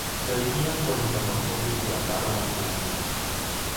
Se originan por metamorfosis de la larva plánula.